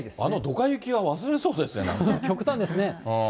あのどか雪は忘れそうですね、極端ですね。